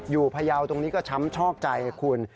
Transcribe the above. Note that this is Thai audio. อยู่พยาวิทย์ตรงนี้ก็ช้ำชอกใจคุณ